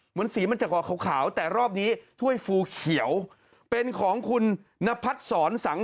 เหมือนสีมันจะออกขาวแต่รอบนี้ถ้วยฟูเขียวเป็นของคุณนพัฒน์สอนสัง